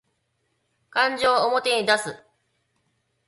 感情を表に出す